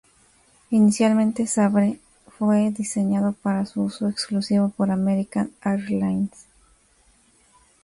Inicialmente Sabre fue diseñado para su uso exclusivo por American Airlines.